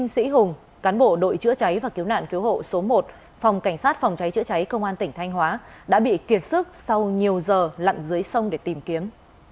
sĩ hùng cán bộ đội chữa cháy và cứu nạn cứu hộ số một phòng cảnh sát phòng cháy chữa cháy công an tỉnh thanh hóa đã bị kiệt sức sau nhiều giờ lặn dưới sông để tìm kiếm